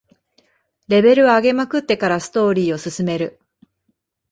レベル上げまくってからストーリーを進める